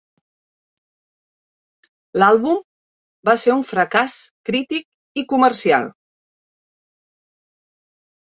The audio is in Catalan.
L'àlbum va ser un fracàs crític i comercial.